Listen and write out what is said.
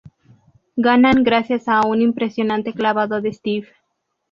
Ganan gracias a un impresionante clavado de Steve.